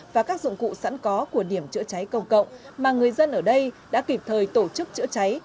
và các dụng cụ sẵn có của điểm chữa cháy công cộng mà người dân ở đây đã kịp thời tổ chức chữa cháy